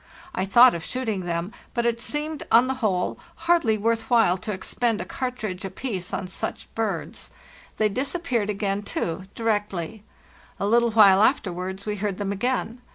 I thought of shooting them, but it seemed, on the whole, hardly worth while to expend a cartridge apiece on such birds; they disappeared again, 238 FARTHEST NORTH too, directly. A little while afterwards we heard them again.